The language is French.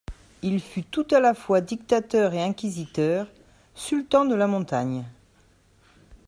Il fut tout à la fois dictateur et inquisiteur, sultan de la montagne.